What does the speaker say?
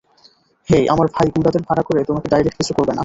হেই, আমার ভাই গুণ্ডাদের ভাড়া করে তোমাকে ডাইরেক্ট কিছু করবে না।